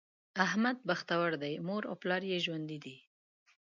احمد بختور دی؛ مور او پلار یې ژوندي دي.